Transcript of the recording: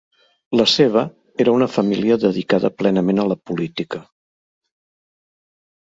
La seva era una família dedicada plenament a la política.